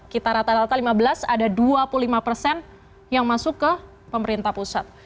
kita rata rata lima belas ada dua puluh lima persen yang masuk ke pemerintah pusat